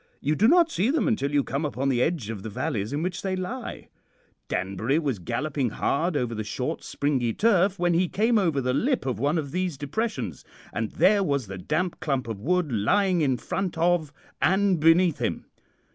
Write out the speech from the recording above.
You do not see them until you come upon the edge of the valleys in which they lie. Danbury was galloping hard over the short, springy turf when he came over the lip of one of these depressions, and there was the dark clump of wood lying in front of and beneath him.